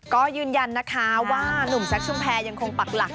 ก็ยืนยันนะคะว่านุ่มแซคชุมแพรยังคงปักหลัก